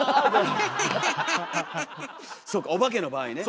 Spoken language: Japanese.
そうかお化けの場合ね。